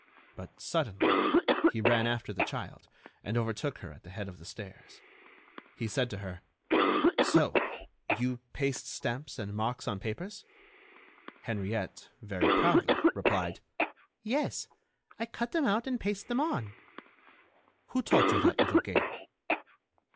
But, suddenly, he ran after the child, and overtook her at the head of the stairs. He said to her: "So you paste stamps and marks on papers?" Henriette, very proudly, replied: "Yes, I cut them out and paste them on." "Who taught you that little game?"